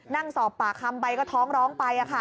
นั่งสอบปากคำไปก็ท้องร้องไป